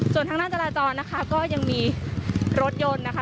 ส่วนทางด้านจราจรนะคะก็ยังมีรถยนต์นะคะ